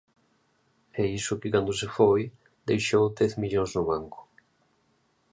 E iso que cando se foi deixou dez millóns no banco.